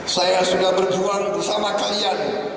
saya sudah berjuang bersama kalian